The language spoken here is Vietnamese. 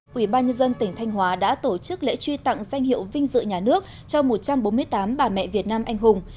quỹ ba nhân dân tỉnh thanh hóa đã tổ chức lễ truy tặng danh hiệu vinh dự nhà nước cho một trăm bốn mươi tám bà mẹ việt nam anh hùng